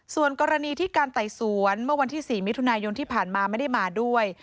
ส่วนกรณีที่การไต่สวนเมื่อวันที่๔มิถุนายนที่ผ่านมาไม่ได้มาด้วย